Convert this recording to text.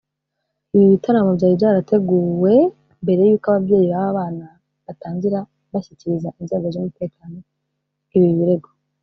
Ibi bitaramo byari byarateguwe mbere y’uko ababyeyi b’aba bana batangira bashyikiriza inzego z’umutekano ibi birego